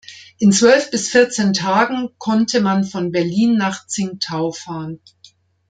In zwölf bis vierzehn Tagen konnte man von Berlin nach Tsingtau fahren.